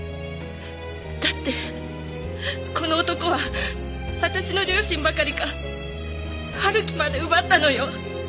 だってこの男は私の両親ばかりか春樹まで奪ったのよ。